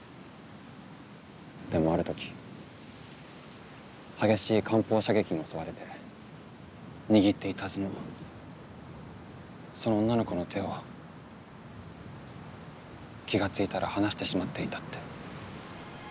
でもある時激しい艦砲射撃に襲われて握っていたはずのその女の子の手を気が付いたら離してしまっていたって。